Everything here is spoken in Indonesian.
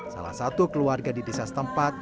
salah satu keluarga di desa setempat